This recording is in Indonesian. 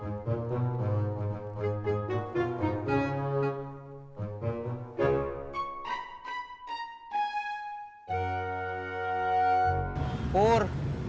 kamu jangan cemberut aja tuh